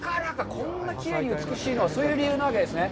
こんなきれいで美しいのは、そういう理由なわけですね。